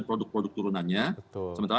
produk produk turunannya sementara